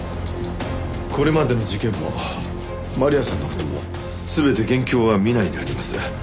これまでの事件もマリアさんの事も全て元凶は南井にあります。